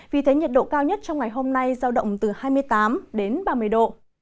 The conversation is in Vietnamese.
vì thế nhiệt độ cao nhất trong ngày hôm nay giao động từ hai mươi tám đến ba mươi độ